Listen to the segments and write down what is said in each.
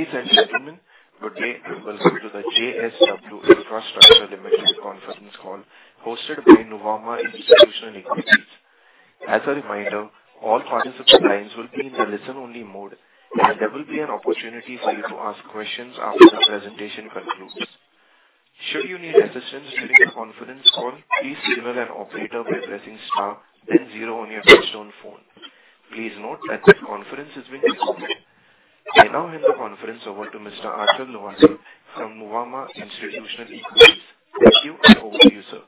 Ladies and gentlemen, good day and welcome to the JSW Infrastructure Limited Conference Call hosted by Nuvama Institutional Equities. As a reminder, all participants will be in the listen-only mode, and there will be an opportunity for you to ask questions after the presentation concludes. Should you need assistance during the conference call, please call an operator by pressing star then zero on your touch-tone phone. Please note that this conference is being recorded. I now hand the conference over to Mr. Achal Lohade from Nuvama Institutional Equities. Thank you, and over to you, sir.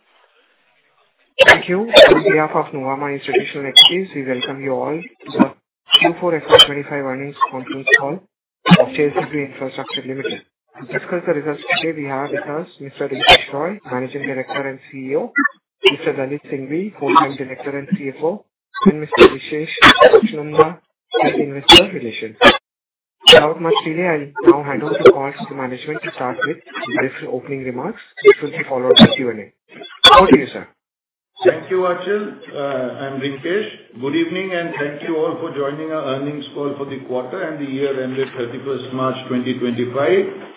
Thank you. On behalf of Nuvama Institutional Equities, we welcome you all to the Q4 FY25 earnings conference call of JSW Infrastructure Limited. To discuss the results today, we have with us Mr. Rinkesh Roy Managing Director and CEO, Mr. Lalit Singhvi, Whole-time Director and CFO, and Mr. Vishesh Pachnanda, Head Investor Relations. Without much delay, I now hand over the call to the management to start with brief opening remarks, which will be followed by Q&A. Over to you, sir. Thank you, Achal. I'm Rinkesh. Good evening, and thank you all for joining our earnings call for the quarter and the year ended 31st March 2025.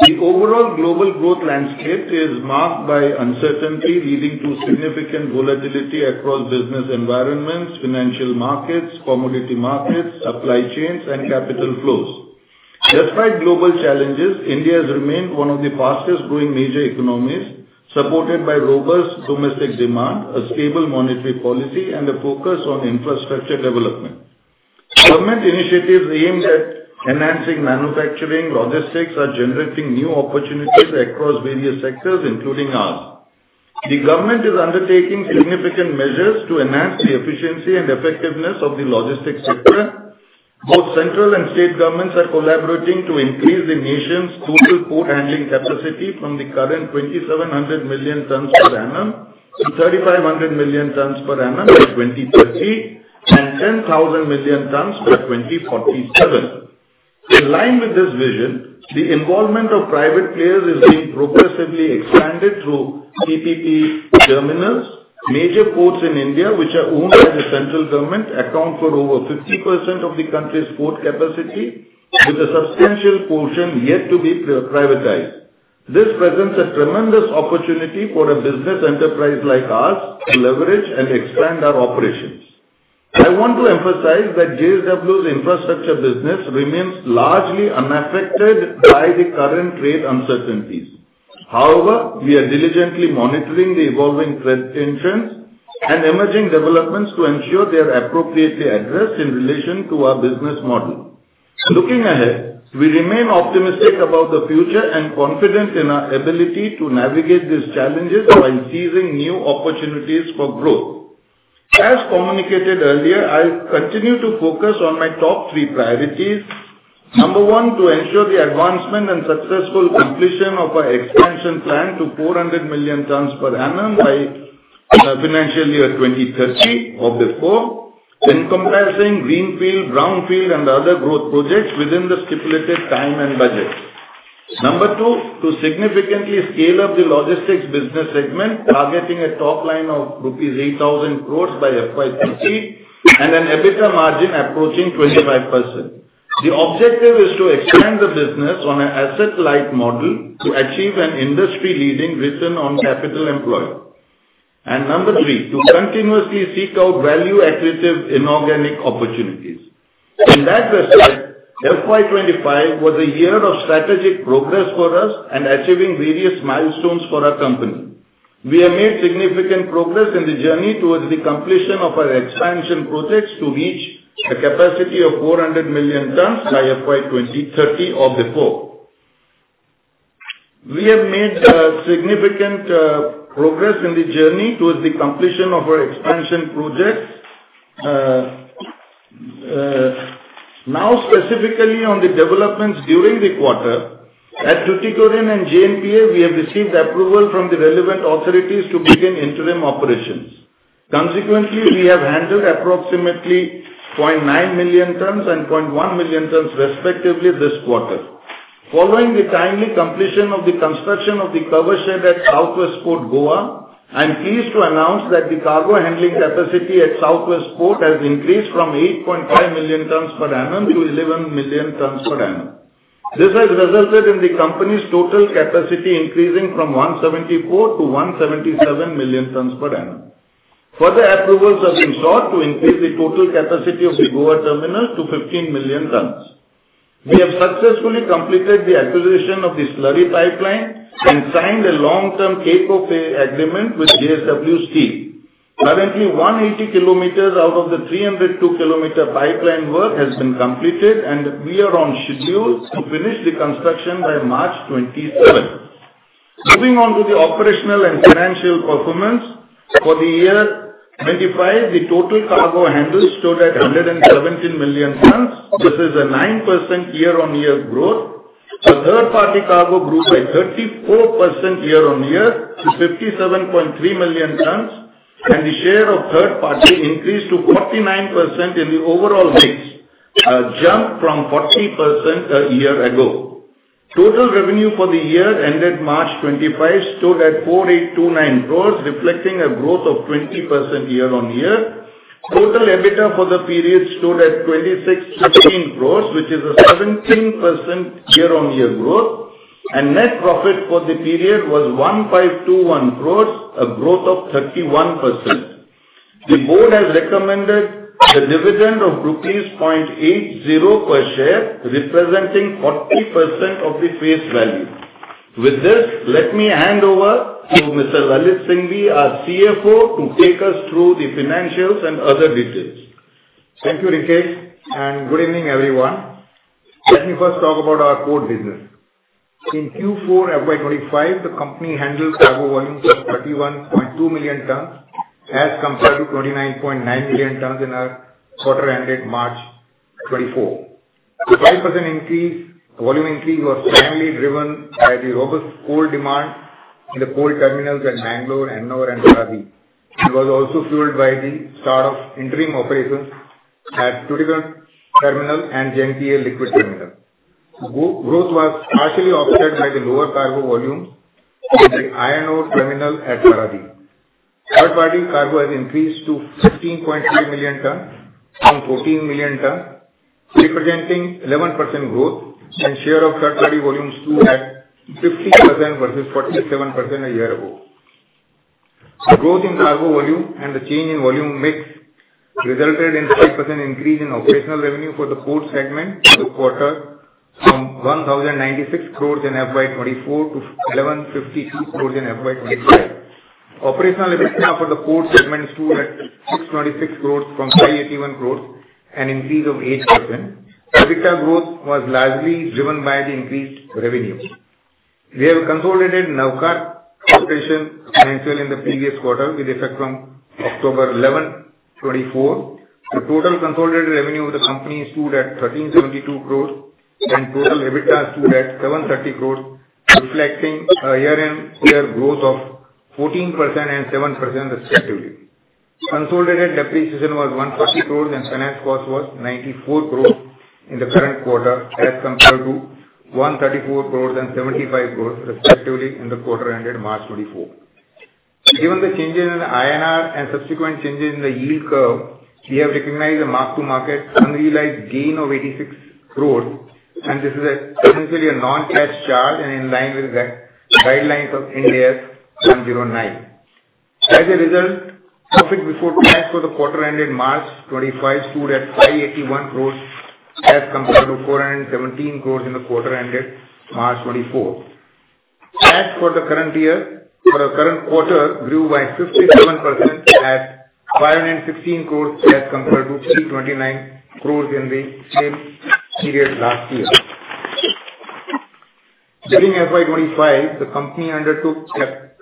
The overall global growth landscape is marked by uncertainty leading to significant volatility across business environments, financial markets, commodity markets, supply chains, and capital flows. Despite global challenges, India has remained one of the fastest-growing major economies, supported by robust domestic demand, a stable monetary policy, and a focus on infrastructure development. Government initiatives aimed at enhancing manufacturing, logistics, are generating new opportunities across various sectors, including ours. The government is undertaking significant measures to enhance the efficiency and effectiveness of the logistics sector. Both central and state governments are collaborating to increase the nation's total port handling capacity from the current 2,700 million tons per annum to 3,500 million tons per annum by 2030 and 10,000 million tons by 2047. In line with this vision, the involvement of private players is being progressively expanded through PPP terminals. Major ports in India, which are owned by the central government, account for over 50% of the country's port capacity, with a substantial portion yet to be privatized. This presents a tremendous opportunity for a business enterprise like ours to leverage and expand our operations. I want to emphasize that JSW's infrastructure business remains largely unaffected by the current trade uncertainties. However, we are diligently monitoring the evolving trade tensions and emerging developments to ensure they are appropriately addressed in relation to our business model. Looking ahead, we remain optimistic about the future and confident in our ability to navigate these challenges while seizing new opportunities for growth. As communicated earlier, I'll continue to focus on my top three priorities: number one, to ensure the advancement and successful completion of our expansion plan to 400 million tons per annum by financial year 2030 of the four, encompassing greenfield, brownfield, and other growth projects within the stipulated time and budget, number two, to significantly scale up the logistics business segment, targeting a top line of rupees 8,000 crores by FY 2028 and an EBITDA margin approaching 25%. The objective is to expand the business on an asset-like model to achieve an industry-leading return on capital employed, and number three, to continuously seek out value-accretive inorganic opportunities. In that respect, FY 2025 was a year of strategic progress for us and achieving various milestones for our company. We have made significant progress in the journey towards the completion of our expansion projects to reach a capacity of 400 million tons by FY 2030 of the four. Now, specifically on the developments during the quarter, at Tuticorin and JNPA, we have received approval from the relevant authorities to begin interim operations. Consequently, we have handled approximately 0.9 million tons and 0.1 million tons, respectively, this quarter. Following the timely completion of the construction of the cover shed at South West Port, Goa, I'm pleased to announce that the cargo handling capacity at South West Port has increased from 8.5 million tons per annum to 11 million tons per annum. This has resulted in the company's total capacity increasing from 174 to 177 million tons per annum. Further approvals have been sought to increase the total capacity of the Goa terminal to 15 million tons. We have successfully completed the acquisition of the Slurry Pipeline and signed a long-term takeover agreement with JSW Steel. Currently, 180 km out of the 302-km pipeline work has been completed, and we are on schedule to finish the construction by March 2027. Moving on to the operational and financial performance, for the year 2025, the total cargo handled stood at 117 million tons. This is a 9% year-on-year growth. The third-party cargo grew by 34% year-on-year to 57.3 million tons, and the share of third parties increased to 49% in the overall mix, a jump from 40% a year ago. Total revenue for the year ended March 2025 stood at 4,829 crores, reflecting a growth of 20% year-on-year. Total EBITDA for the period stood at 2615 crores, which is a 17% year-on-year growth, and net profit for the period was 1521 crores, a growth of 31%. The board has recommended the dividend of ₹80 per share, representing 40% of the face value. With this, let me hand over to Mr. Lalit Singhvi, our CFO, to take us through the financials and other details. Thank you, Rinkesh, and good evening, everyone. Let me first talk about our port business. In Q4 FY25, the company handled cargo volumes of 31.2 million tons as compared to 29.9 million tons in our quarter-ended March 2024. The 5% volume increase was timely driven by the robust port demand in the port terminals at Mangalore, Ennore, and Paradip. It was also fueled by the start of interim operations at Tuticorin terminal and JNPA Liquid terminal. Growth was partially offset by the lower cargo volumes at the Iron Ore terminal at Paradip. Third-party cargo has increased to 15.3 million tons from 14 million tons, representing 11% growth, and share of third-party volumes stood at 50% versus 47% a year ago. The growth in cargo volume and the change in volume mix resulted in a 5% increase in operational revenue for the port segment this quarter, from 1,096 crores in FY 2024 to 1,152 crores in FY 2025. Operational EBITDA for the port segment stood at 626 crores from 581 crores, an increase of 8%. EBITDA growth was largely driven by the increased revenue. We have consolidated Navkar Corporation financial in the previous quarter, with effect from October 11, 2024. The total consolidated revenue of the company stood at 1,372 crores, and total EBITDA stood at 730 crores, reflecting a year-on-year growth of 14% and 7%, respectively. Consolidated depreciation was 140 crores, and finance cost was 94 crores in the current quarter, as compared to 134 crores and 75 crores, respectively, in the quarter-ended March 2024. Given the changes in the INR and subsequent changes in the yield curve, we have recognized a mark-to-market unrealized gain of 86 crores, and this is essentially a non-cash charge and in line with guidelines of Ind AS 109. As a result, profit before tax for the quarter-ended March 2025 stood at 581 crores, as compared to 417 crores in the quarter-ended March 2024. Tax for the current year for the current quarter grew by 57% at 516 crores, as compared to 329 crores in the same period last year. During FY 2025, the company undertook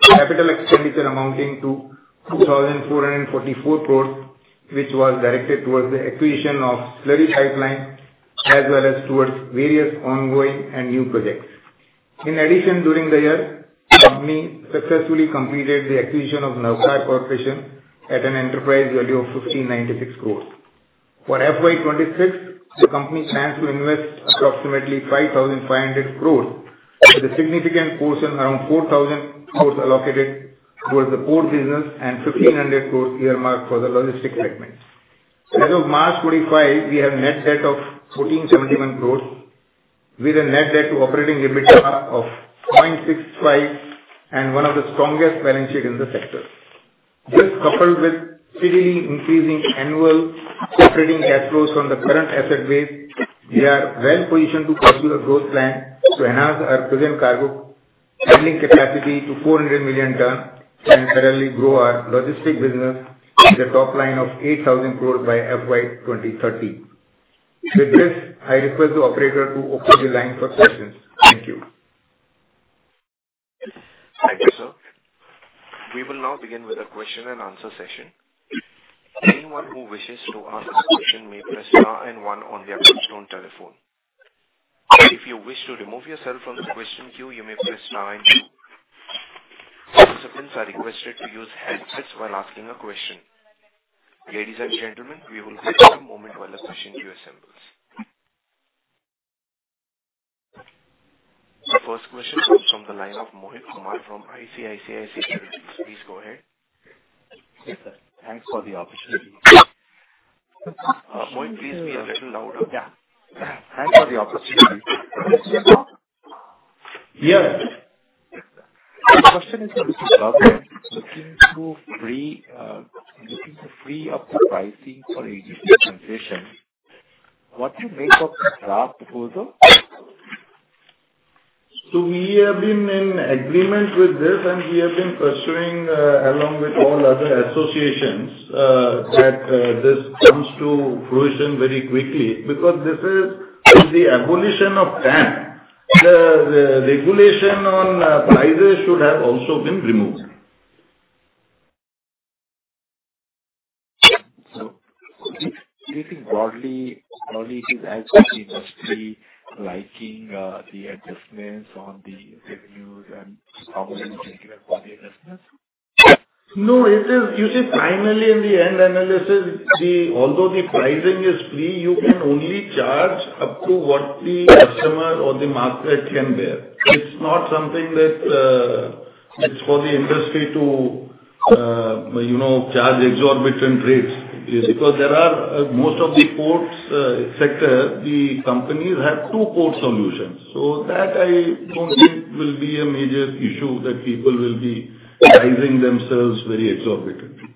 capital expenditure amounting to 2,444 crores, which was directed towards the acquisition of Slurry Pipeline, as well as towards various ongoing and new projects. In addition, during the year, the company successfully completed the acquisition of Navkar Corporation at an enterprise value of 1,596 crores. For FY 2026, the company plans to invest approximately 5,500 crores, with a significant portion, around 4,000 crores, alloPATed towards the port business and 1,500 crores earmarked for the logistics segment. As of March 2025, we have a net debt of 1,471 crores, with a net debt-to-operating EBITDA of 0.65 and one of the strongest balance sheets in the sector. This, coupled with steadily increasing annual operating cash flows from the current asset base, we are well-positioned to pursue a growth plan to enhance our present cargo handling capacity to 400 million tons and further grow our logistics business to the top line of 8,000 crores by FY 2030. With this, I request the operator to open the line for questions. Thank you. Thank you, sir. We will now begin with a question-and-answer session. Anyone who wishes to ask a question may press star and one on the touch-tone telephone. If you wish to remove yourself from the question queue, you may press star and two. Participants are requested to use handsets while asking a question. Ladies and gentlemen, we will give you a moment while a question queue assembles. The first question comes from the line of Mohit Kumar from ICICI Securities. Please go ahead. Yes, sir. Thanks for the opportunity. Mohit, please be a little louder. Yeah. Thanks for the opportunity. Yes. The question is a little broader, looking to free up the pricing for agency transition. What do you make of the draft proposal? So we have been in agreement with this, and we have been pursuing, along with all other associations, that this comes to fruition very quickly because this is the evolution of time. The regulation on prices should have also been removed. So thinking broadly, probably it is as if the industry is liking the adjustments on the revenues and how much is taken up for the adjustments? No, it is usually finally in the end analysis, although the pricing is free, you can only charge up to what the customer or the market can bear. It's not something that it's for the industry to charge exorbitant rates because there are most of the port sector, the companies have two port solutions. So that I don't think will be a major issue that people will be pricing themselves very exorbitantly.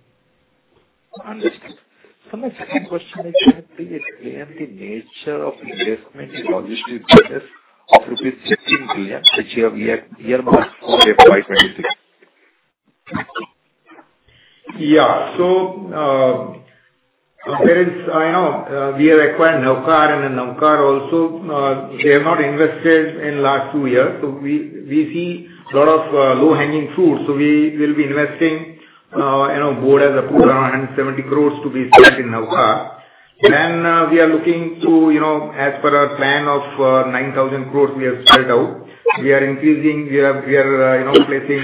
Understood, so my second question is, can you explain the nature of investment in logistics business of INR 16 billion, which you have earmarked for FY 2026? Yeah. So compared to, I know we have acquired Navkar, and Navkar also, they have not invested in the last two years. So we see a lot of low-hanging fruit. So we will be investing, I know board has approved around 170 crores to be spent in Navkar. Then we are looking to, as per our plan of 9,000 crores we have spent out, we are increasing, we are placing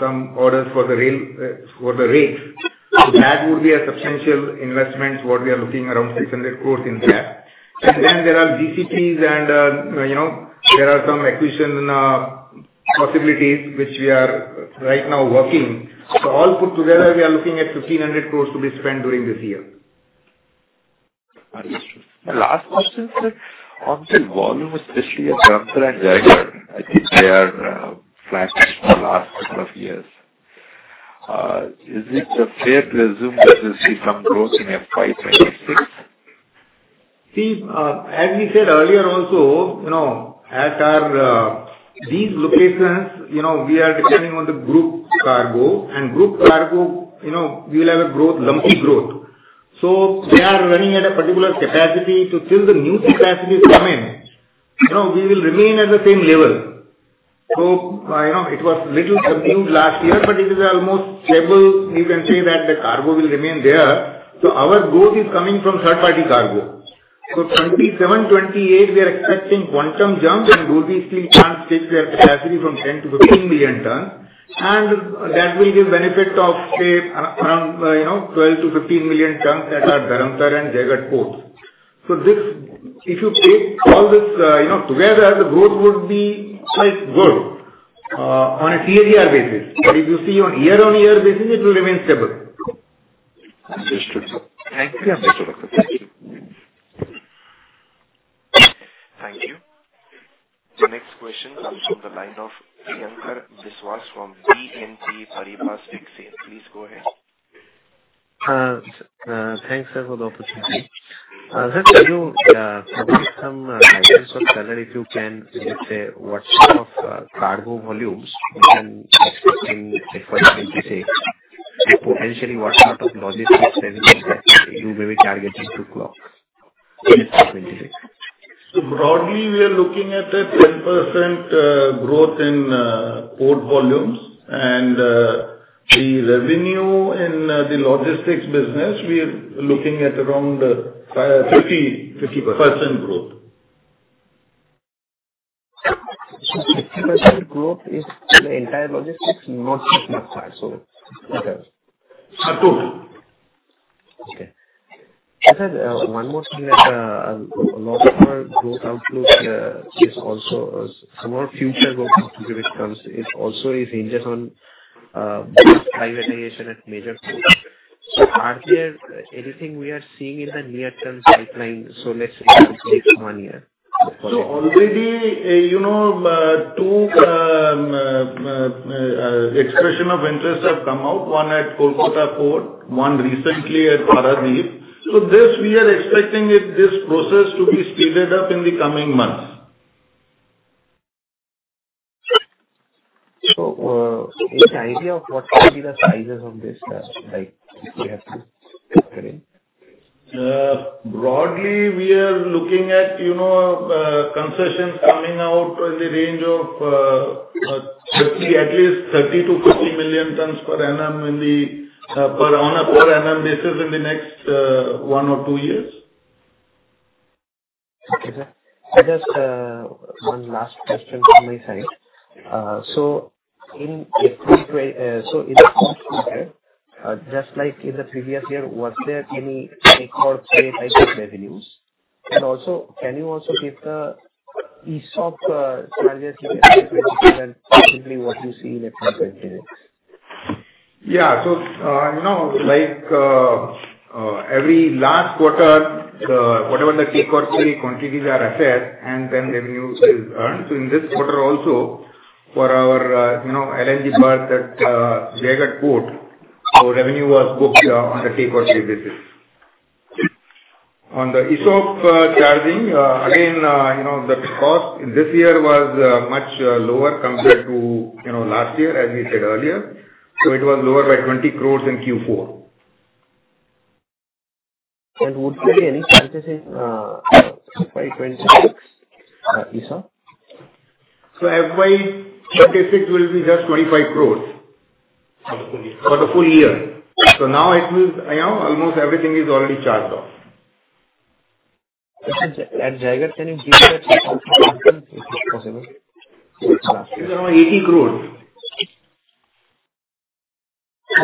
some orders for the rails. So that would be a substantial investment, what we are looking around 600 crores in that. And then there are GCTs and there are some acquisition possibilities, which we are right now working. So all put together, we are looking at 1,500 crores to be spent during this year. Understood. My last question, sir. On the volume, especially at Jaigarh and Dharamtar, I think they are flat for the last couple of years. Is it fair to assume that there will be some growth in FY 2026? See, as we said earlier also, at these lopations, we are depending on the group cargo, and group cargo, we will have a growth, lumpy growth. So they are running at a particular capacity until the new capacity is coming. We will remain at the same level. So it was a little subdued last year, but it is almost stable. You can say that the cargo will remain there. So our growth is coming from third-party cargo. So 27, 28, we are expecting quantum jump, and Dolvi Steel plans to take their capacity from 10-15 million tons, and that will give benefit of, say, around 12-15 million tons at our Dharamtar and Jaigarh ports. So if you take all this together, the growth would be quite good on a CAGR basis. But if you see on year-on-year basis, it will remain stable. Understood. Thank you, Thank you. Thank you. The next question comes from the line of Priyankar Biswas from BNP Paribas Please go ahead. Thanks, sir, for the opportunity. Sir, can you provide some guidance on, sir, if you can, let's say, what sort of cargo volumes you can expect in FY 2026? Potentially, what sort of logistics level you may be targeting to clock in FY 2026? Broadly, we are looking at a 10% growth in port volumes, and the revenue in the logistics business, we are looking at around 50% growth. 50% growth is the entire logistics, not just Navkar, so what else? A total. Okay. Sir, one more thing that a lot of our growth outlook is also some of our future growth opportunity comes hinges on this privatization at major ports. So are there anything we are seeing in the near-term pipeline, so let's say in one year? So already, two expressions of interest have come out. One at Kolkata Port, one recently at Paradip. So this, we are expecting this process to be speeded up in the coming months. Any idea of what would be the sizes of this that you have to consider? Broadly, we are looking at concessions coming out in the range of at least 30-50 million tons per annum on a per annum basis in the next one or two years. Okay, sir. Just one last question from my side. So in the port sector, just like in the previous year, was there any CORP-related revenues? And also, can you also give the ESOP charges you can see in 2020 and simply what you see in FY 2026? Yeah. So every last quarter, whatever the CORP-related quantities are assessed, and then revenue is earned. So in this quarter also, for our LNG part at Jaigarh port, revenue was booked on the CORP basis. On the ESOP charging, again, the cost this year was much lower compared to last year, as we said earlier. So it was lower by 20 crore in Q4. Would there be any changes in FY 2026 ESOP? So FY 2026 will be just 25 crores for the full year. So now it will almost everything is already charged off. Jaigarh, can you give that in quantum if possible? 80 crores.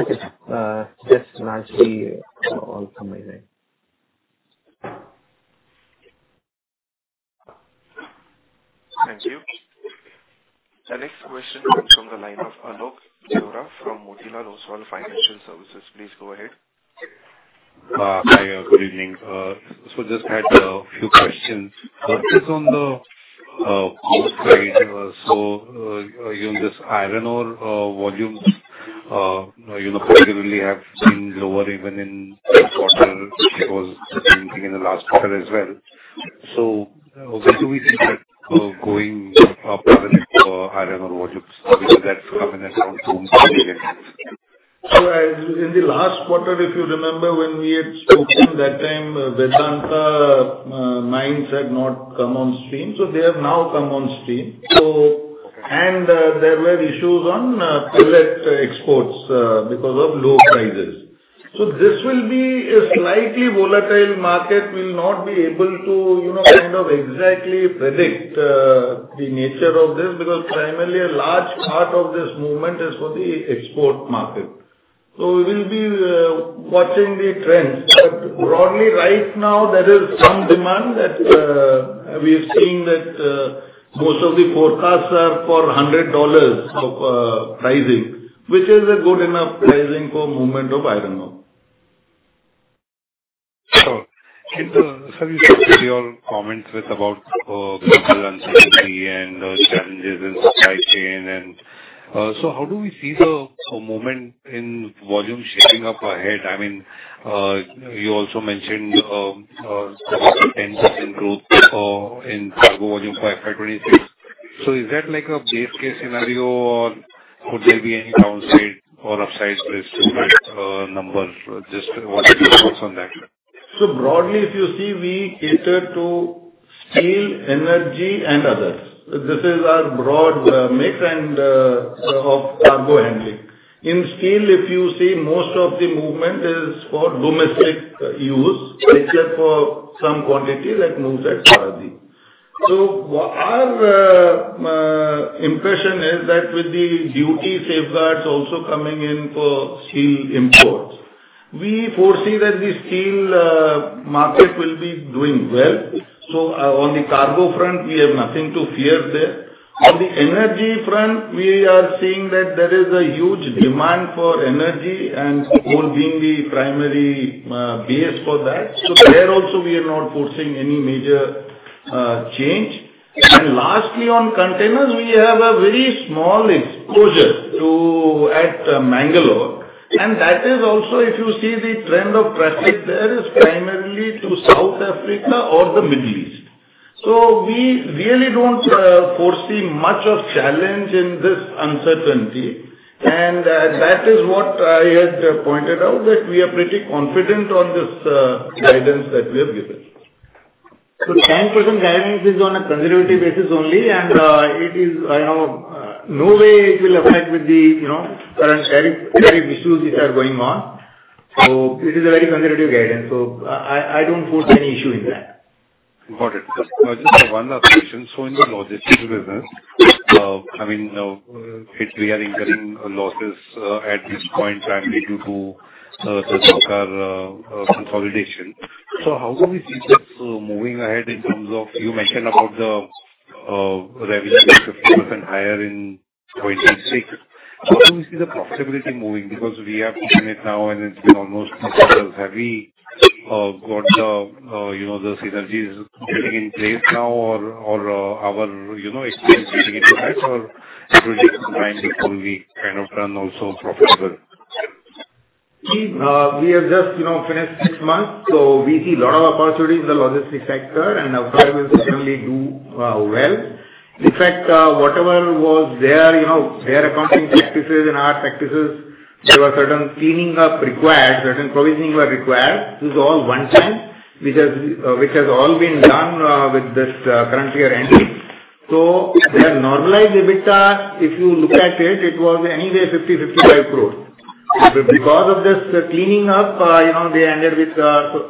Okay. Just largely all from my side. Thank you. The next question comes from the line of Alok Deora from Motilal Oswal Financial Services. Please go ahead. Hi, good evening. So just had a few questions. It's on the port side. So this iron ore volumes particularly have been lower even in the quarter. It was the same thing in the last quarter as well. So where do we see that going for iron ore volumes? Because that's coming around too much. In the last quarter, if you remember when we had spoken, that time Vedanta had not come on stream. So they have now come on stream. And there were issues on pellet exports because of low prices. So this will be a slightly volatile market. We will not be able to kind of exactly predict the nature of this because primarily a large part of this movement is for the export market. So we will be watching the trends. But broadly, right now, there is some demand that we are seeing that most of the forecasts are for $100 pricing, which is a good enough pricing for movement of iron ore. Sure. And sir, you said in your comments about the uncertainty and challenges in supply chain. So how do we see the movement in volume shaping up ahead? I mean, you also mentioned 10% growth in cargo volume for FY 2026. So is that like a base case scenario, or could there be any downside or upside risk with numbers? Just what's your thoughts on that? Broadly, if you see, we PATer to steel, energy, and others. This is our broad mix of cargo handling. In steel, if you see, most of the movement is for domestic use, except for some quantity that moves at Paradip. So our impression is that with the duty safeguards also coming in for steel imports, we foresee that the steel market will be doing well. So on the cargo front, we have nothing to fear there. On the energy front, we are seeing that there is a huge demand for energy, and coal being the primary base for that. So there also, we are not forcing any major change. And lastly, on containers, we have a very small exposure at Mangalore. And that is also, if you see the trend of traffic there, primarily to South Africa or the Middle East. So we really don't foresee much of a challenge in this uncertainty. And that is what I had pointed out, that we are pretty confident on this guidance that we have given. The 10% guidance is on a conservative basis only, and it is, I know, in no way it will affect with the current tariff issues which are going on. It is a very conservative guidance. I don't foresee any issue in that. Got it. Just one last question. So in the logistics business, I mean, we are incurring losses at this point primarily due to the Navkar consolidation. So how do we see this moving ahead in terms of you mentioned about the revenue is 50% higher in 2026. How do we see the profitability moving? Because we have seen it now, and it's been almost six years. Have we got the synergies getting in place now, or our experience getting into that, or should it be time before we kind of turn also profitable? See, we have just finished six months, so we see a lot of opportunity in the logistics sector, and Navkar will certainly do well. In fact, whatever was their accounting practices and our practices, there were certain cleanup required, certain provisioning were required. This is all one-time, which has all been done with this current year ending, so they have normalized EBITDA. If you look at it, it was anyway 50-55 crores. But because of this cleanup, they ended with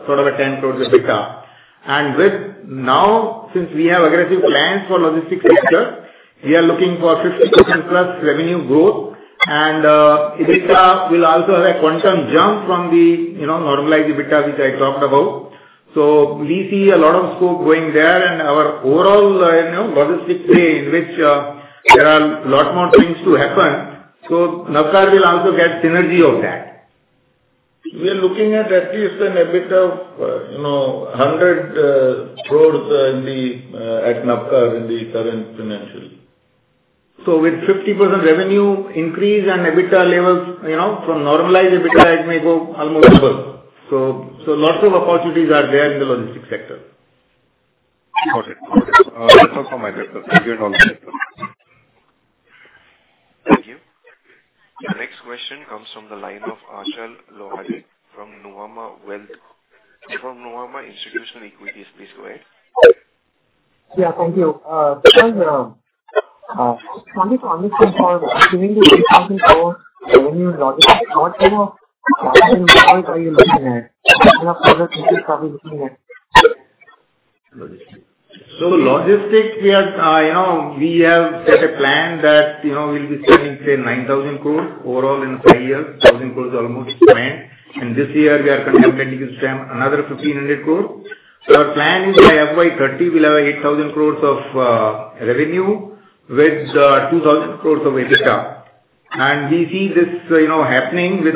sort of 10 crores EBITDA. And now, since we have aggressive plans for logistics sector, we are looking for 50% plus revenue growth. And EBITDA will also have a quantum jump from the normalized EBITDA which I talked about. So we see a lot of scope going there, and our overall logistics way, in which there are a lot more things to happen. So Navkar will also get synergy of that. We are looking at least EBITDA of 100 crores at Navkar in the current financial. So with 50% revenue increase and EBITDA levels from normalized EBITDA, it may go almost double. So lots of opportunities are there in the logistics sector. Got it. That's all from my side. Thank you and all the stakeholders. Thank you. The next question comes from the line of Achal Lohade from Nuvama Institutional Equities. From Nuvama Institutional Equities, please go ahead. Yeah, thank you. Sir, I wanted to understand for giving the INR 8,000 crores revenue in logistics, what kind of numbers are you looking at? What kind of projects are you looking at? Logistics, we have set a plan that we'll be spending, say, 9,000 crores overall in five years. 1,000 crores is almost spent. This year, we are contemplating to spend another 1,500 crores. Our plan is by FY 2030, we'll have 8,000 crores of revenue with 2,000 crores of EBITDA. We see this happening with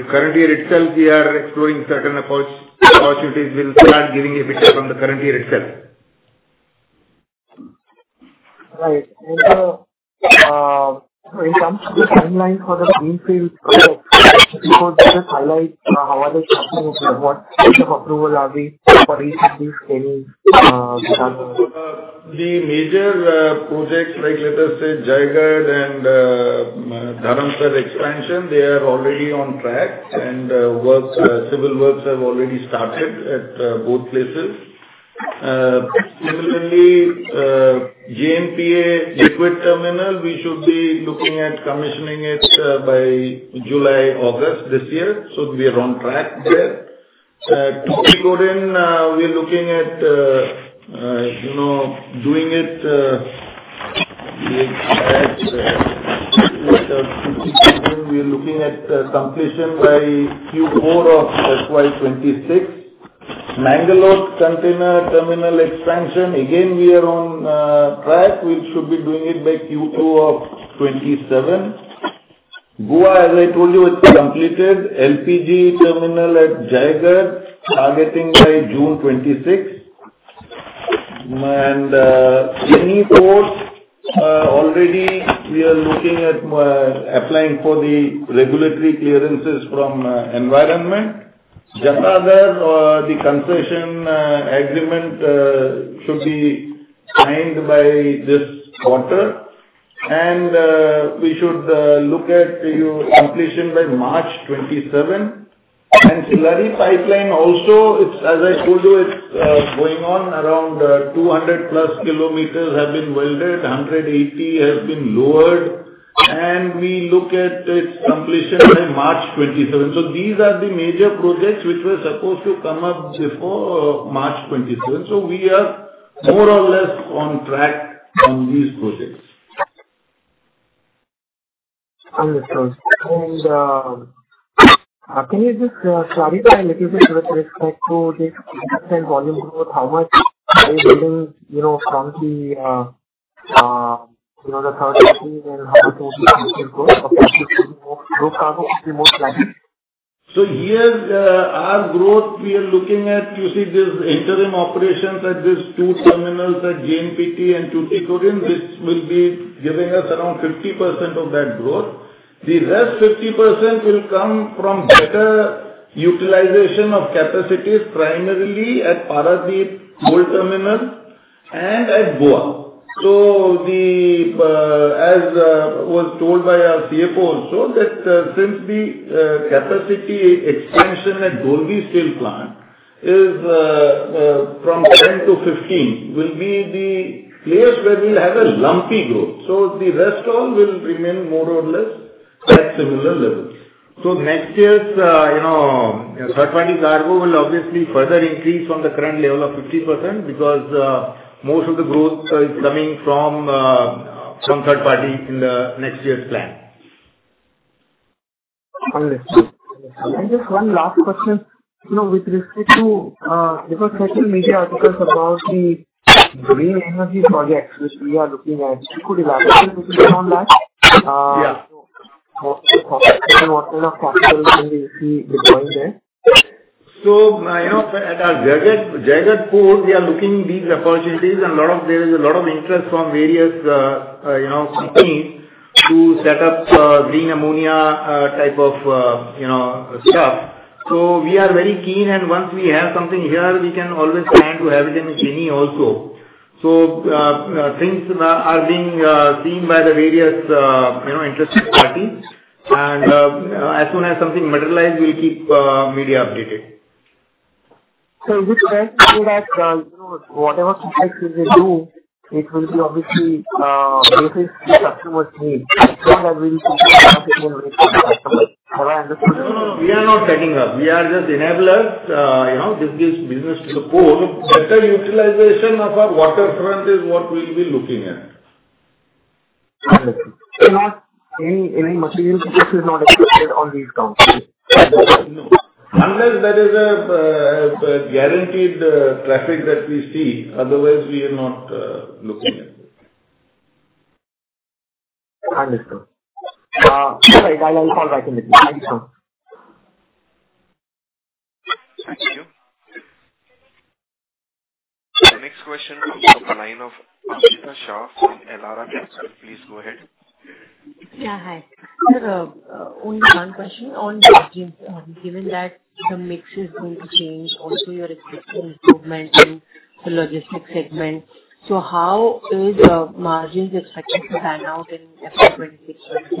current year itself. We are exploring certain opportunities. We'll start giving EBITDA from the current year itself. Right, and in terms of the timeline for the greenfield projects, could you just highlight how are they coming into the work? What kind of approval are we for each of these? The major projects, like let us say Jaigarh and Dharamtar expansion, they are already on track, and civil works have already started at both places. Similarly, JNPA liquid terminal, we should be looking at commissioning it by July, August this year. So we are on track there. Tuticorin, we are looking at doing it. We are looking at completion by Q4 of FY 2026. Mangalore container terminal expansion, again, we are on track. We should be doing it by Q2 of 2027. Goa, as I told you, is completed. LPG terminal at Jaigarh targeting by June 2026. And JNPA port, already we are looking at applying for the regulatory clearances from Environment. Jatadhar, the concession agreement should be signed by this quarter. And we should look at completion by March 2027. And slurry pipeline also, as I told you, it's going on around 200 plus kilometers have been welded. 180 has been lowered. And we look at its completion by March 2027. So these are the major projects which were supposed to come up before March 2027. So we are more or less on track on these projects. Understood. And can you just clarify a little bit with respect to this volume growth? How much are you building from the third quarter, and how much will be the next year's growth? Or cargo will be more flagged? So here our growth, we are looking at, you see this interim operations at these two terminals at JNPT and Tuticorin. This will be giving us around 50% of that growth. The rest 50% will come from better utilization of capacities, primarily at Paradip coal terminal and at Goa. So as was told by our CFO also, that since the capacity expansion at Dolvi Steel Plant is from 10 to 15, will be the place where we'll have a lumpy growth. So the rest all will remain more or less at similar levels. So next year's third-party cargo will obviously further increase from the current level of 50% because most of the growth is coming from third-party in the next year's plan. Understood. And just one last question. With respect to, there were certain media articles about the green energy projects which we are looking at. Could elaborate a little bit on that? Yeah. What kind of capital can we see deploying there? So at our Jaigarh port, we are looking at these opportunities. And there is a lot of interest from various companies to set up green ammonia type of stuff. So we are very keen. And once we have something here, we can always plan to have it in China also. So things are being seen by the various interested parties. And as soon as something materializes, we'll keep media updated. So would you like to add that whatever projects you will do, it will be obviously based on the customer's need? So that we will consider what is in the need for the customer. Have I understood? We are not setting up. We are just enablers. This gives business to support. Better utilization of our waterfront is what we'll be looking at. Understood. Any material process is not expected on these counts? No. Unless there is a guaranteed traffic that we see. Otherwise, we are not looking at it. Understood. All right. I'll call back in a bit. Thank you. Thank you. The next question from the line of Ankita Shah from Elara Capital. Please go ahead. Yeah, hi. Sir, only one question. On margins, given that the mix is going to change, also you're expecting improvement in the logistics segment. So how is margins expected to pan out in FY 2026 and FY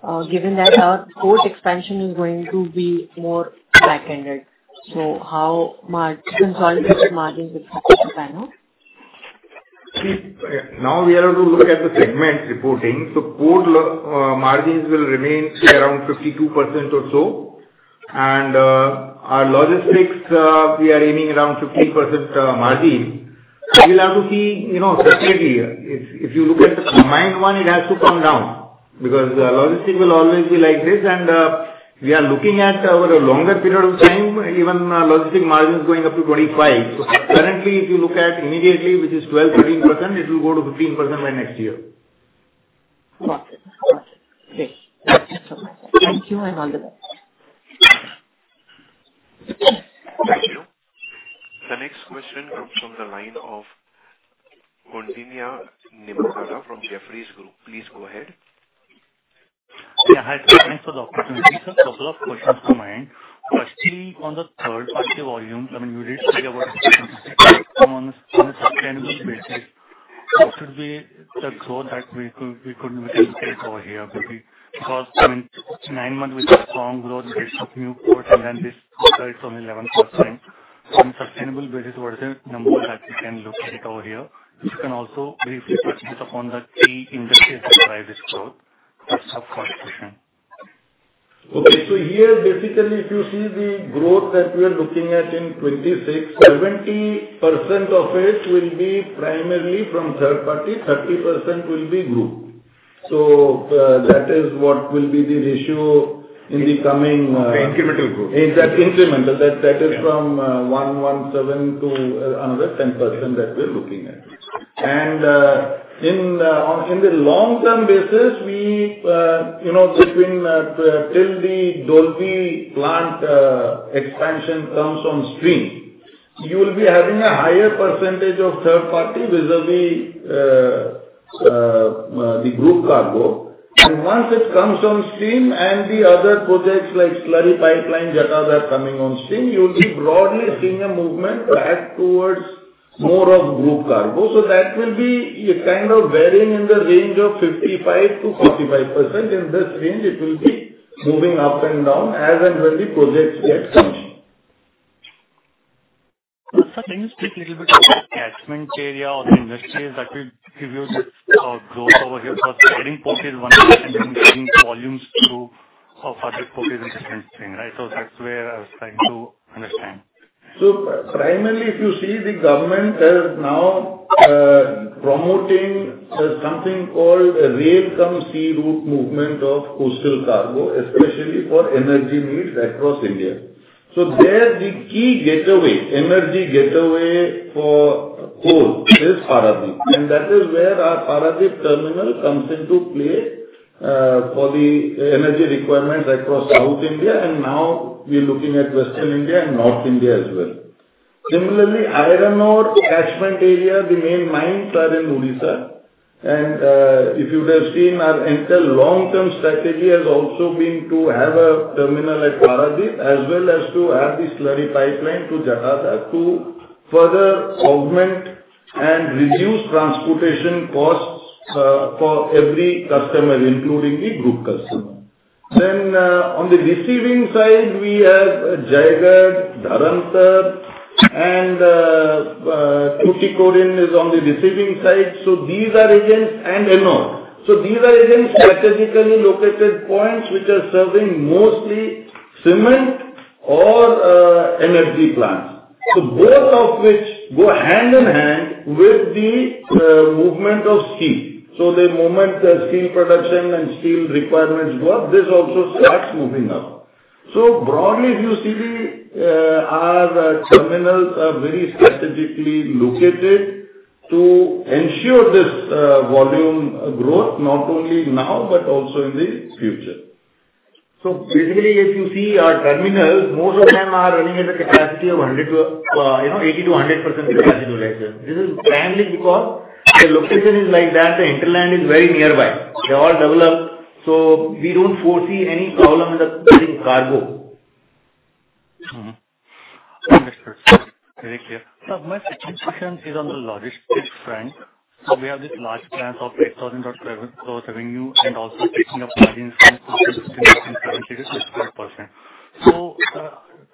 2027? Given that our port expansion is going to be more back-ended, so how are consolidated margins expected to pan out? Now we are going to look at the segment reporting, so port margins will remain around 52% or so, and our logistics, we are aiming around 50% margin. We'll have to see separately. If you look at the combined one, it has to come down because logistics will always be like this, and we are looking at over a longer period of time, even logistics margins going up to 25%. So currently, if you look at immediately, which is 12-13%, it will go to 15% by next year. Got it. Got it. Okay. Thank you. I'll hand it over. Thank you. The next question comes from the line of Gandharv Tongia from Jefferies Group. Please go ahead. Yeah, hi. Thanks for the opportunity, sir. A couple of questions from my end. Firstly, on the third-party volumes, I mean, you did speak about expectations on the sustainable basis. What would be the growth that we could look at over here? Because in nine months, we've had strong growth, built up new ports, and then this quarter, it's only 11%. On the sustainable basis, what are the numbers that we can look at over here? If you can also briefly touch upon the key industries that drive this growth, that's the first question. Okay. So here, basically, if you see the growth that we are looking at in 2026, 70% of it will be primarily from third-party. 30% will be group. So that is what will be the ratio in the coming. Incremental growth. Incremental. That is from 11.7 to another 10% that we are looking at. And in the long-term basis, between till the Dolvi plant expansion comes on stream, you will be having a higher percentage of third-party vis-à-vis the group cargo. And once it comes on stream and the other projects like Slurry Pipeline, Jatadhar coming on stream, you will be broadly seeing a movement back towards more of group cargo. So that will be kind of varying in the range of 55% to 45%. In this range, it will be moving up and down as and when the projects get finished. Sir, can you speak a little bit about the catchment area or the industries that will give you this growth over here? Because adding port is one thing, and then getting volumes through other port is a different thing, right? So that's where I was trying to understand. So primarily, if you see, the government has now promoting something called rail-cum-sea route movement of coastal cargo, especially for energy needs across India. So there, the key gateway, energy gateway for coal, is Paradip. And that is where our Paradip terminal comes into play for the energy requirements across South India. And now we are looking at Western India and North India as well. Similarly, iron ore catchment area, the main mines are in Odisha. And if you would have seen, our entire long-term strategy has also been to have a terminal at Paradip as well as to have the Slurry pipeline to Jatadhar to further augment and reduce transportation costs for every customer, including the group customer. Then on the receiving side, we have Jaigarh, Dharamtar, and Tuticorin is on the receiving side. So these are again and another. So these are again strategically located points which are serving mostly cement or energy plants. So both of which go hand in hand with the movement of steel. So the moment steel production and steel requirements go up, this also starts moving up. So broadly, if you see, our terminals are very strategically located to ensure this volume growth, not only now but also in the future. So basically, if you see our terminals, most of them are running at a capacity of 80%-100% capacity, right, sir? This is primarily because the lopation is like that. The hinterland is very nearby. They're all developed. So we don't foresee any problem with getting cargo. Understood. Very clear. My second question is on the logistics front. So we have this large plant of 8,000 sq ft for revenue and also taking up margins from 15%-25%. So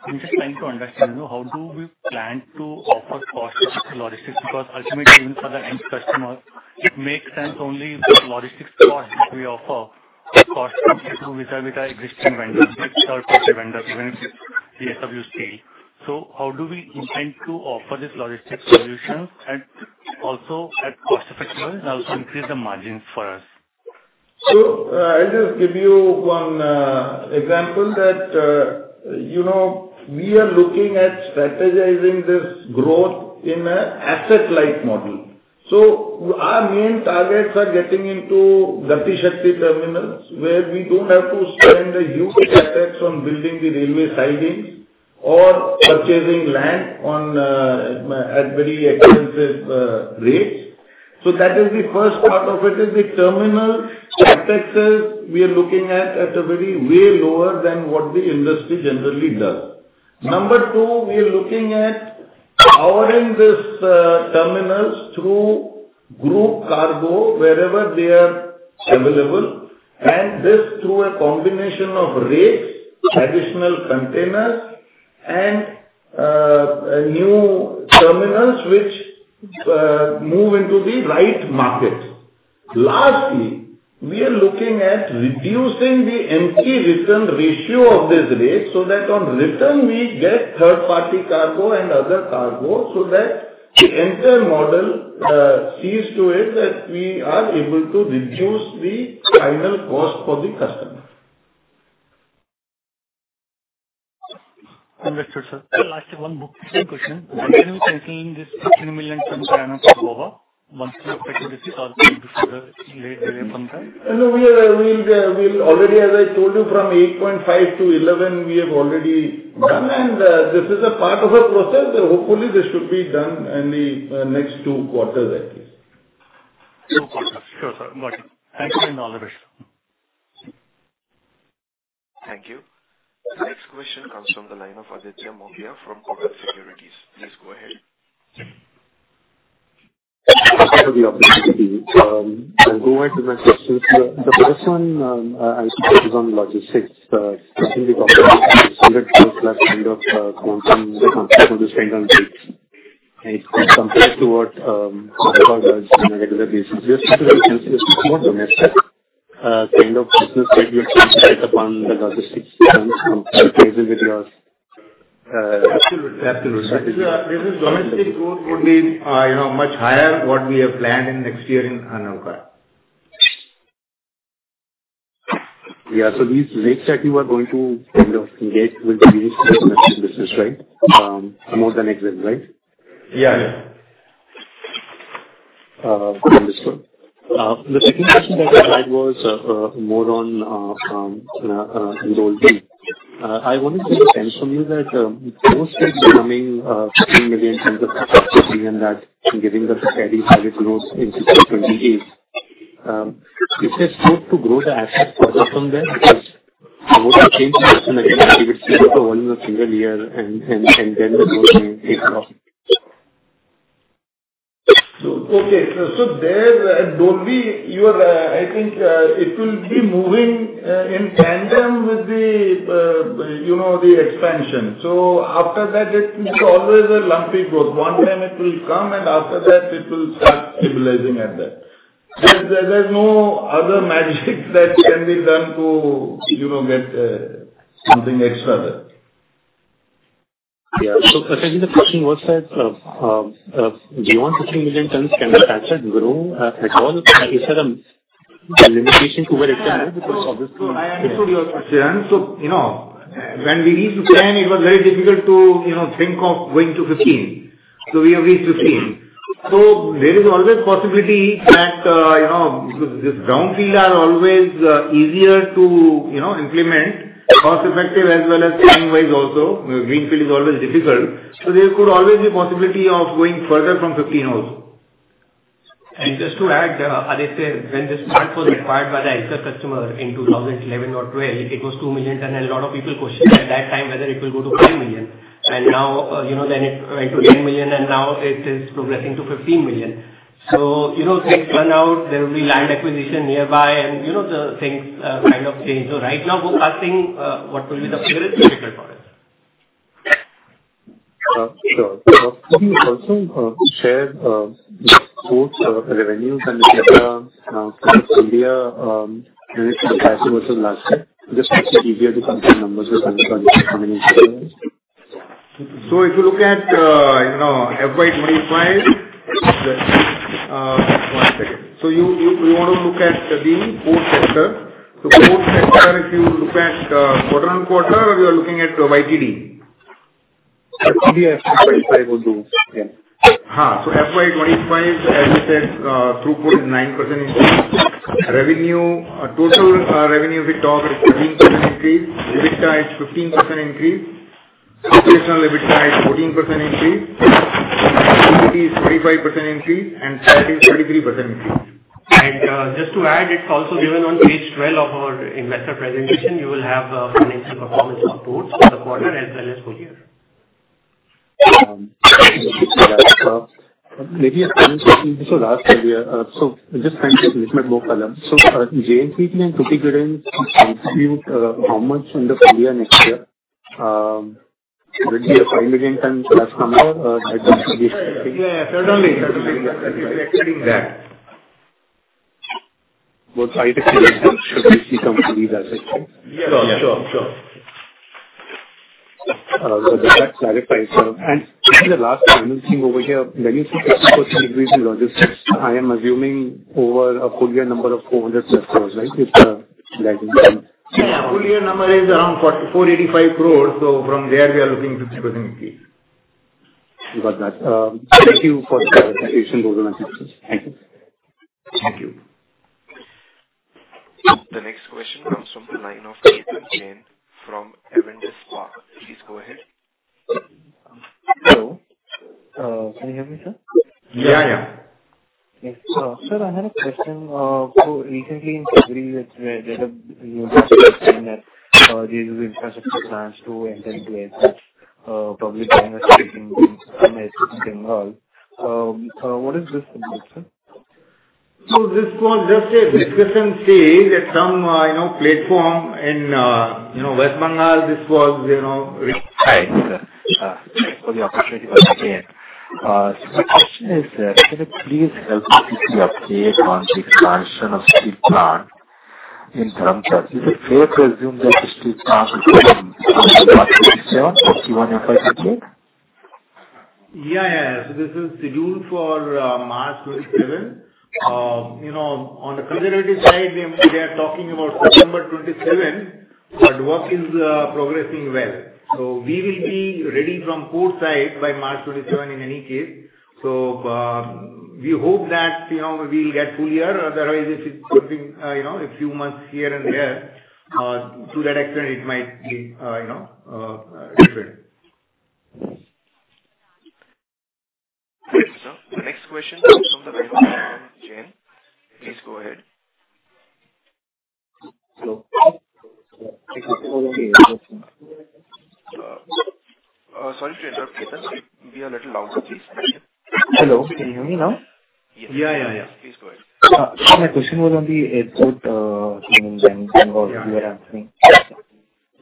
I'm just trying to understand how do we plan to offer cost-effective logistics? Because ultimately, even for the end customer, it makes sense only if the logistics cost we offer is cost-effective with our existing vendors, third-party vendors, even if it's the JSW Steel. So how do we intend to offer this logistics solutions also at cost-effective level and also increase the margins for us? So I'll just give you one example that we are looking at strategizing this growth in an asset-like model. So our main targets are getting into Gati Shakti terminals, where we don't have to spend huge CapEx on building the railway sidings or purchasing land at very expensive rates. So that is the first part of it is the terminal CapExes we are looking at at a very way lower than what the industry generally does. Number two, we are looking at powering these terminals through group cargo wherever they are available. And this through a combination of rates, additional containers, and new terminals which move into the right market. Lastly, we are looking at reducing the empty return ratio of these rates so that on return, we get third-party cargo and other cargo so that the entire model sees to it that we are able to reduce the final cost for the customer. Understood, sir. Last one quick question. When can we pencil in this 15 million from clearance for Goa? When can we expect to discuss all the things before the late 15th? No, we will already, as I told you, from 8.5-11, we have already done. And this is a part of a process. Hopefully, this should be done in the next two quarters at least. Two quarters. Sure, sir. Got it. Thank you and all the best. Thank you. The next question comes from the line of Aditya Mongia from Kotak Securities. Please go ahead. Thank you for the opportunity. I'll go ahead with my question. The first one, I'll focus on logistics. Speaking with the opportunity, it's a similar kind of quantum for the spend on rates. And it's compared to what Gati Shakti does on a regular basis. Your specifiPATions are more domestic kind of business that you are trying to set up on the logistics terms compared with your. Absolutely. Absolutely. This is domestic growth would be much higher than what we have planned in next year in Navkar. Yeah. So these rates that you are going to kind of engage will be used for domestic business, right? More than exit, right? Yeah. Understood. The second question that you had was more on Dolvi. I wanted to understand from you that mostly becoming 15 million in terms of capacity and that giving them steady higher growth in 2028. If they're slow to grow the asset further from there, what will change in the next year? If it's the volume of single year and then the growth may take off? Okay. So there, Dolvi, I think it will be moving in tandem with the expansion. So after that, it's always a lumpy growth. One time it will come, and after that, it will start stabilizing at that. There's no other magic that can be done to get something extra there. Yeah. So second question, do you want 15 million tons? Can the asset grow at all? Is there a limitation to where it can go? Because obviously. Answer to your question. So when we reached 10, it was very difficult to think of going to 15. So we have reached 15. So there is always possibility that these brownfields are always easier to implement, cost-effective as well as time-wise also. Greenfield is always difficult. So there could always be a possibility of going further from 15 also. And just to add, Aditya, when this plant was acquired by the Anchor customer in 2011 or 2012, it was 2 million. And a lot of people questioned at that time whether it will go to 5 million. And now then it went to 10 million, and now it is progressing to 15 million. So things run out. There will be land acquisition nearby, and things kind of change. So right now, go past things, what will be the figure is difficult for us. Sure. Could you also share the source revenues and the data for India and its capacity versus last year? Just to make it easier to compare numbers with other countries coming into play. So if you look at FY 2025, one second. So you want to look at the port sector. So port sector, if you look at quarter on quarter, you are looking at YTD. YTD is 2.5 or 2. Yeah. Ha. So FY25, as you said, throughput is 9% increase. Revenue, total revenue we talked is 13% increase. EBITDA is 15% increase. Operational EBITDA is 14% increase. Liquidity is 45% increase. And that is 33% increase. And just to add, it's also given on page 12 of our investor presentation. You will have financial performance of ports for the quarter as well as full year. Maybe one last question here. So just thank you, Mishma Mohibbara. So JNPT and Tuticorin contribute how much in the full year next year? Would it be five million tons plus somewhere? Yeah. Certainly. Certainly. We are expecting that. What size of the region should we see come to these assets? Sure. Sure. Sure. That clarifies. The last final thing over here, when you say 50% increase in logistics, I am assuming over a full year number of 400+ crores, right? It's aligned. Yeah. Full year number is around 485 crores. So from there, we are looking 50% increase. You got that. Thank you for the clarification, Dolvi metrics. Thank you. Thank you. The next question comes from the line of Ketan Jain from Avendus Spark. Please go ahead. Hello. Can you hear me, sir? Yeah. Yeah. Sir, I had a question. So recently in February, there's a news report saying that JSW Infrastructure plans to enter into a pact probably during a Bengal Global Business Summit in Bengal. What is this about, sir? So this was just a discussion saying that some platform in West Bengal, this was. Hi, sir. Thanks for the opportunity once again. So my question is, can you please help me to see an update on the expansion of steel plant in Dharamtar? Is it fair to assume that the steel plant will open on March 27, or 2028? Yeah. Yeah. So this is scheduled for March 27. On the conservative side, they are talking about September 27, but work is progressing well. So we will be ready from port side by March 27 in any case. So we hope that we will get full year. Otherwise, if it's something a few months here and there, to that extent, it might be different. Thank you, sir. The next question comes from the line of Ketan Jain from Avendus Spark. Please go ahead. Hello. Sorry to interrupt, Ketan. Be a little louder, please. Hello. Can you hear me now? Yes. Yeah. Yeah. Yeah. Please go ahead. Sir, my question was on the port in Bengal. You were answering.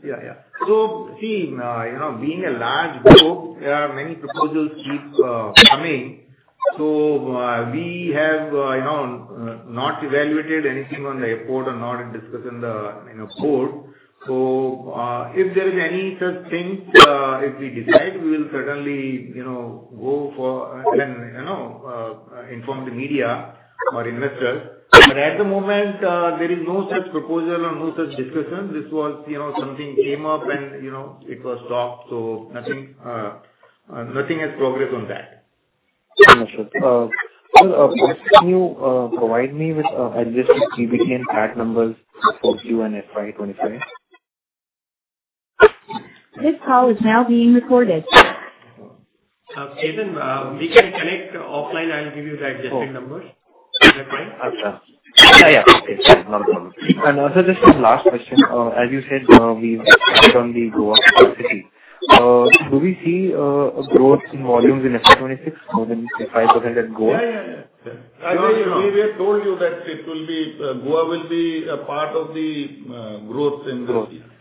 Yeah. Yeah. So, see, being a large group, there are many proposals keep coming. So, we have not evaluated anything on the airport and not discussed on the board. So, if there is any such thing, if we decide, we will certainly go for and inform the media or investors. But at the moment, there is no such proposal or no such discussion. This was something came up, and it was stopped. So, nothing has progressed on that. Understood. Sir, can you provide me with Navkar's PBT and PAT numbers for Q and FY 2025? This call is now being recorded. Ketan, we can connect offline. I'll give you the Navkar's numbers. Is that fine? Okay. Yeah. Yeah. It's fine. Not a problem. And also, just one last question. As you said, we've touched on the Goa capacity. Do we see a growth in volumes in FY 2026 more than 5% at Goa? We have told you that it will be. Goa will be a part of the growth in this year. Understood. Goa,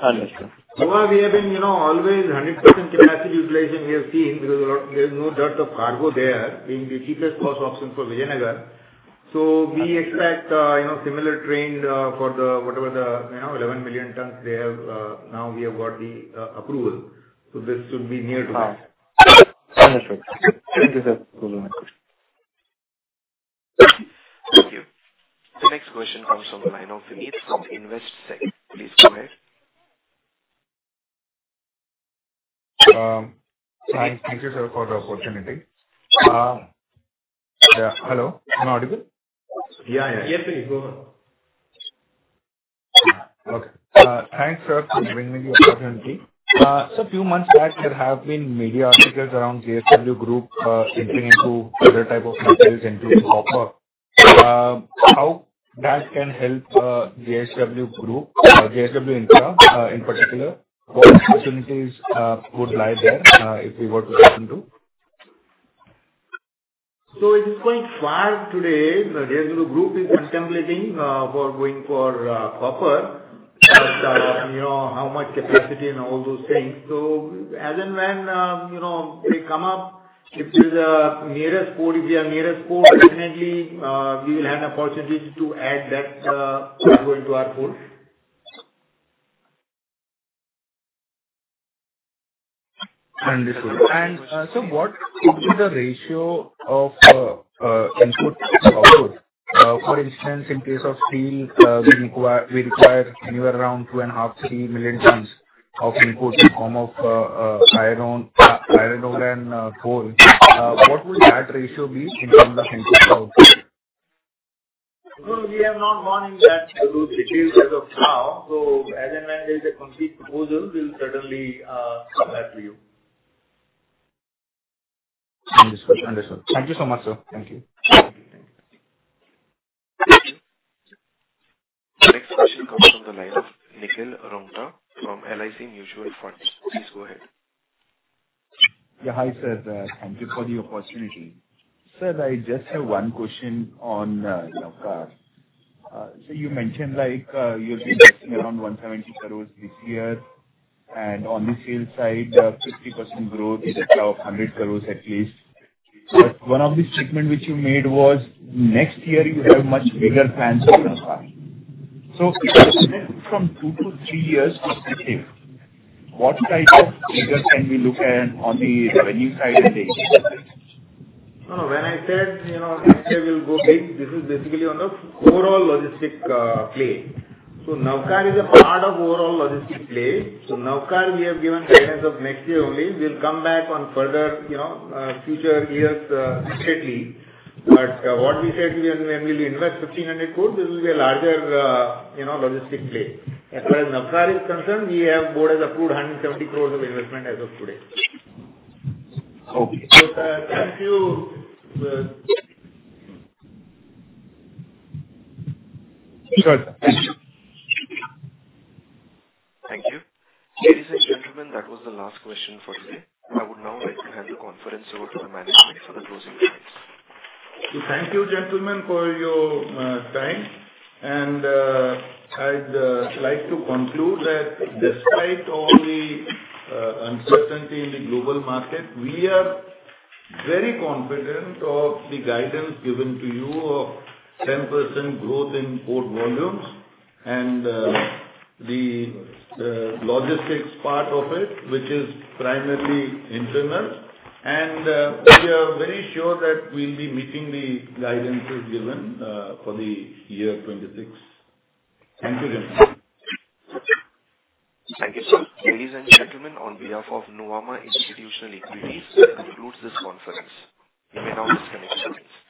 we have been always 100% capacity utilization we have seen because there is no dearth of cargo there, being the cheapest cost option for Vijayanagar. So we expect similar trend for whatever the 11 million tons they have now, we have got the approval. So this should be near to that. Understood. Thank you, sir. Those are my questions. Thank you. The next question comes from the line of Vineet from Investec. Please go ahead. Thank you, sir, for the opportunity. Hello. Can you hear me? Yeah. Yeah. Yes, please. Go ahead. Okay. Thanks, sir, for giving me the opportunity. Sir, a few months back, there have been media articles around JSW Group entering into other types of and so forth. how that can help JSW Group, JSW Infra in particular? What opportunities would lie there if we were to listen to? So it is quite far today. JSW Group is contemplating for going for copper but how much capacity and all those things. So as and when they come up, if there is a nearest port, if we are nearest port, definitely we will have an opportunity to add that port into our port. Understood, and sir, what would be the ratio of input to output? For instance, in case of steel, we require anywhere around 2.5-3 million tons of input in the form of iron ore and coal. What would that ratio be in terms of input to output? We have not gone into that details as of now. As and when there is a complete proposal, we will certainly come back to you. Understood. Thank you so much, sir. Thank you. Thank you. Thank you. The next question comes from the line of Nikhil Abhyankar from LIC Mutual Fund. Please go ahead. Yeah. Hi, sir. Thank you for the opportunity. Sir, I just have one question on Navkar. So you mentioned you'll be investing around 170 crore this year. And on the sales side, 50% growth is about 100 crore at least. But one of the statements which you made was next year, you have much bigger plans for Navkar. So from two to three years to six years, what type of figure can we look at on the revenue side and the investment side? No, no. When I said next year we'll go big, this is basically on the overall logistic play. So Navkar is a part of overall logistic play. So Navkar, we have given guidance of next year only. We'll come back on further future years straightly. But what we said, when we will invest 1,500 crores, this will be a larger logistic play. As far as Navkar is concerned, we have board has approved 170 crores of investment as of today. Okay. Thank you. Thank you. Ladies and gentlemen, that was the last question for today. I would now like to hand the conference over to the management for the closing points. Thank you, gentlemen, for your time. And I'd like to conclude that despite all the uncertainty in the global market, we are very confident of the guidance given to you of 10% growth in port volumes and the logistics part of it, which is primarily internal. And we are very sure that we'll be meeting the guidance given for the year 2026. Thank you, gentlemen. Thank you, sir. Ladies and gentlemen, on behalf of Nuvama Institutional Equities, we conclude this conference. You may now disconnect from the stage.